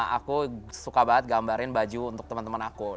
aku suka banget gambarin baju untuk temen temen aku